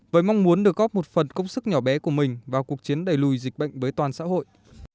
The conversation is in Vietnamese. với mong muốn được góp một phần công sức nhỏ bé của mình vào cuộc chiến đẩy lùi dịch bệnh với toàn xã hội